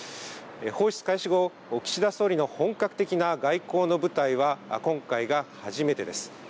放出開始後、岸田総理の本格的な外交の舞台は今回が初めてです。